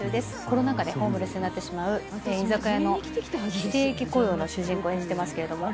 コロナ禍でホームレスになってしまう居酒屋の非正規雇用の主人公を演じてますけれども。